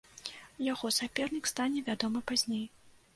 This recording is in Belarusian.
Яго сапернік стане вядомы пазней.